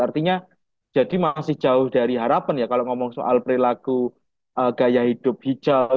artinya jadi masih jauh dari harapan ya kalau ngomong soal perilaku gaya hidup hijau